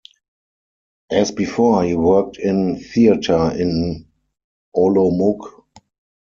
As before, he worked in theatre in Olomouc.